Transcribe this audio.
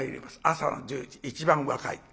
朝の１０時一番若い。